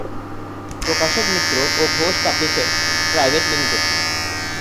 প্রকাশক মিত্র ও Ghosh publishers private limited.